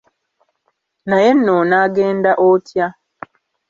Naye nno onaagenda otya?